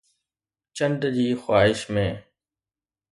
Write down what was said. چنڊ جي خواهش ۾